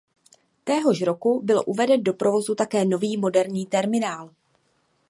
Téhož roku byl uveden do provozu také nový moderní terminál.